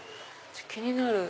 気になる。